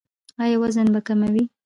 ایا وزن به کموئ؟